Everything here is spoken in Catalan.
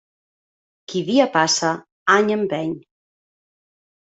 Qui dia passa, any empeny.